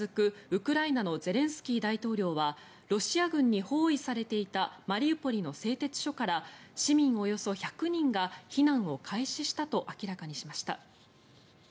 ウクライナのゼレンスキー大統領はロシア軍に包囲されていたマリウポリの製鉄所から市民およそ１００人が避難を開始したと明らかにしました。